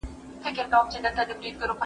يو مار، بل مار نه سي خوړلاى.